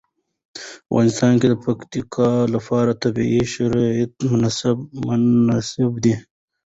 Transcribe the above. په افغانستان کې د پکتیکا لپاره طبیعي شرایط مناسب دي.